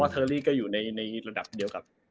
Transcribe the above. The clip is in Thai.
อ๋อเธอเรนก็อยู่ในในระดับเดียวกับ